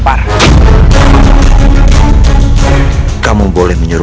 buatlah api wonggun untukku